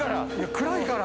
暗いから。